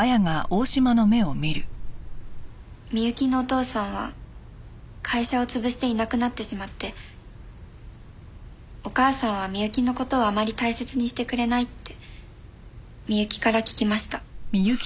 美雪のお父さんは会社を潰していなくなってしまってお母さんは美雪の事をあまり大切にしてくれないって美雪から聞きました。